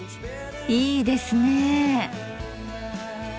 いいですね。